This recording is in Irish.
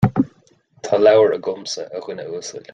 Tá leabhar agamsa, a dhuine uasail